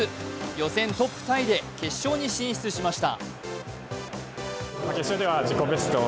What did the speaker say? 予選トップタイで決勝に進出しました。